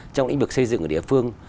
trong lĩnh vực xây dựng ở địa phương